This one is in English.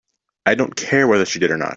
I don't care whether she did or not.